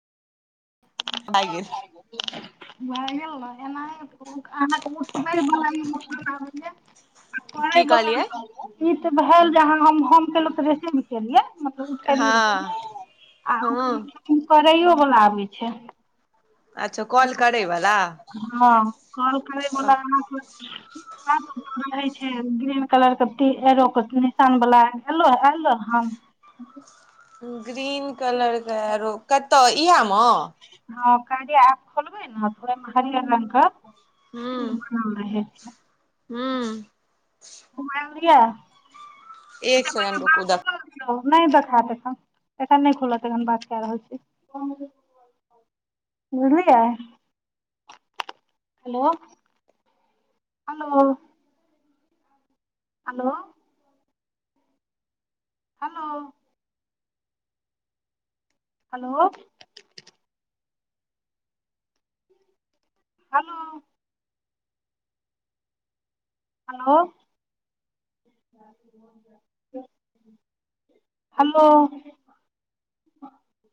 आए गेल भगेलन एना, ओ अना कतऽ च? कोहय की कहलियै ई तऽ भेल जे अहाँ हम हम केलहुँ तऽ बेसी। गेलियै, मतलब उठेलियै, हँ आ हँ करैवला आबै नहि छै। अच्छा कॉल करैवला हँ, करबैवला। ओ रहै छै ग्रीन कलरके तीर, एगो कऽवला निशानवाला एलो। ग्रीन कलरके आओर कतय एहिमे? हँ, काजे आब खोलबे ने तऽ ओहिमे हरियर रंगके तीर बनल रहै। छै हू किया एक सेकंड रूकु। नहि देखायत एखन एखन नहि खुलत एखन बात कए रहल छी बुझलियै hello hello hello hello hello hello hello hello